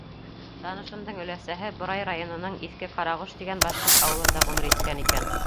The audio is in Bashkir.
Танышымдың өләсәһе Борай районының Иҫке Ҡарағош тигән башҡорт ауылында ғүмер иткән икән.